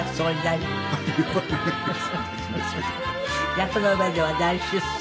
役の上では大出世。